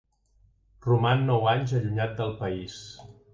Roman nou anys allunyat del país.